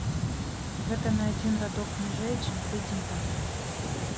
Гэта на адзін радок ніжэй, чым тыдзень таму.